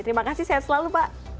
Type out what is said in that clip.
terima kasih sehat selalu pak